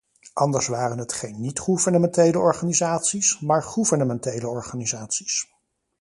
Anders waren het geen niet-gouvernementele organisaties, maar gouvernementele organisaties.